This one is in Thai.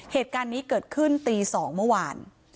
เหตุการณ์นี้เกิดขึ้นตี๒เมื่อวาน